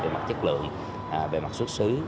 về mặt chất lượng về mặt xuất sứ